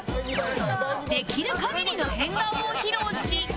できる限りの変顔を披露し